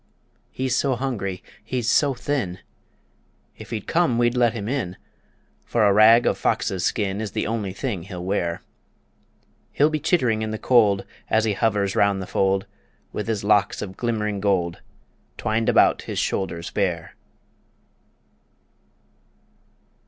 He's so hungry, he's so thin, If he'd come we'd let him in, For a rag of fox's skin Is the only thing he'll wear. He'll be chittering in the cold As he hovers round the fold, With his locks of glimmering gold Twined about his shoulders bare.